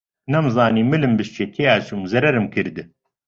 نەمزانی ملم بشکێ تیا چووم زەرەرم کرد